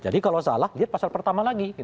jadi kalau salah lihat pasal pertama lagi